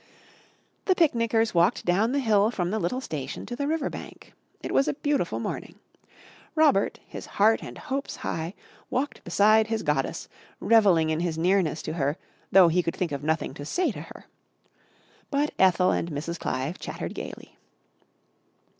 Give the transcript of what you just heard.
_ The picnickers walked down the hill from the little station to the river bank. It was a beautiful morning. Robert, his heart and hopes high, walked beside his goddess, revelling in his nearness to her though he could think of nothing to say to her. But Ethel and Mrs. Clive chattered gaily.